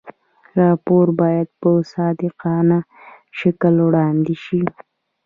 راپور باید په صادقانه شکل وړاندې شي.